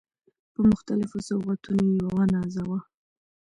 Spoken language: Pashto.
په مختلفو سوغاتونو يې ونازاوه.